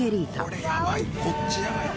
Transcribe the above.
これやばいこっちやばい。